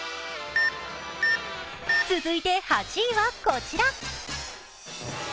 続いて８位はこちら。